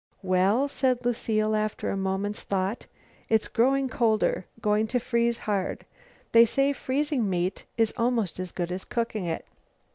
"Well," said Lucile, after a moment's thought, "it's growing colder; going to freeze hard. They say freezing meat is almost as good as cooking it.